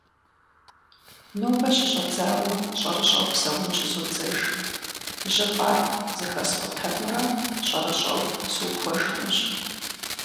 Нобэ щыщӏэдзауэ, щӏэрыщӏэу псэун щӏызодзэж. Жьы хъуар зэхэскъутэнурэ щӏэрыщӏэу сухуэжынущ.